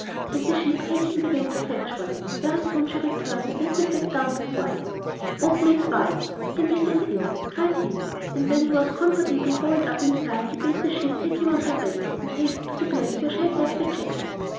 And the sheep hastened away to fetch one. Very soon she returned, and laid the sack down before him. 'Open it wide, that I may get in,' cried he; and when he was comfortably rolled up inside he bade the sheep take him on her back, and hasten to the place where she had left the jackal.